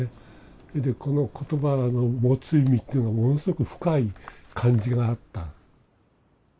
それでこの言葉の持つ意味っていうのはものすごく深い感じがあった。